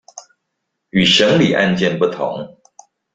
與審理案件不同